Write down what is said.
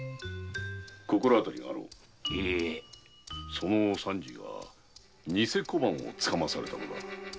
その三次が偽小判をつかまされたのだ。